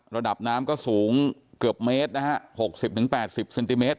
ระดับน้ำก็สูงเกือบเมตรนะฮะหกสิบถึงแปดสิบเซนติเมตร